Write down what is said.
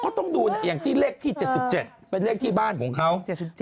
เขาต้องดูอย่างที่เลขที่๗๗เป็นเลขที่บ้านของเขา